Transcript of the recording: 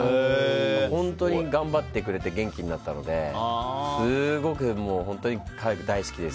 本当に頑張ってくれて元気になったのですごく可愛くて大好きです。